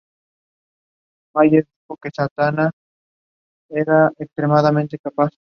En esta ocasión había creado la actual Bandera Argentina.